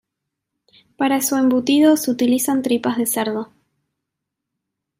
Para su embutido, se utilizan tripas de cerdo.